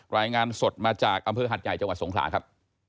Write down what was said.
รายงานสดมาจากอำเภอหัดใหญ่จังหวัดสงขลาครับ